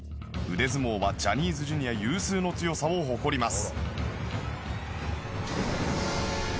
腕相撲はジャニーズＪｒ．有数の強さを誇ります。